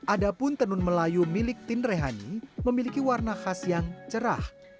ada pun tenun melayu milik tindrehani memiliki warna khas yang cerah